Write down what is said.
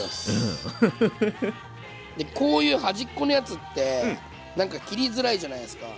こういう端っこのやつってなんか切りづらいじゃないですか。